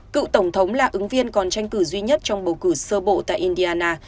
cựu tổng thống là ứng viên còn tranh cử duy nhất trong bầu cử sơ bộ tại indiana